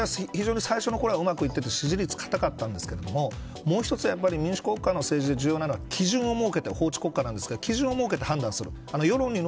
非常に最初のころはうまくいっていて支持率、固かったんですけどもう一つ民主国家の政治で重要なのは法治国家なですけど基準を設けて判断する。